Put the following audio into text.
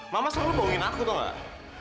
mama selalu bohongin aku tuh gak